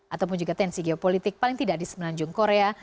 ataupun juga tensi geopolitik paling tidak di semenanjung korea